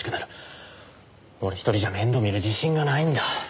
俺一人じゃ面倒見る自信がないんだ。